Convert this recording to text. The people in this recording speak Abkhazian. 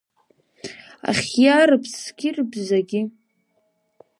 Ахьиаа рыԥсгьы-рыбзагьы…